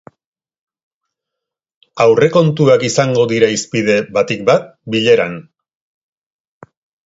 Aurrekontuak izango dira hizpide batik bat bileran.